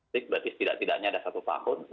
jadi berarti setidak tidaknya ada satu pahun